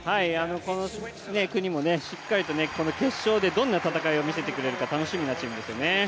この国もしっかりと決勝でどんな戦いを見せてくれるのか楽しみなチームですね。